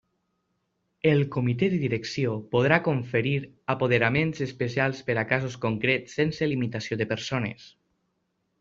El Comité de Direcció podrà conferir apoderaments especials per a casos concrets sense limitació de persones.